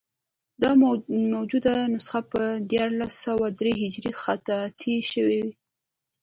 دا موجوده نسخه په دیارلس سوه درې هجري خطاطي شوې.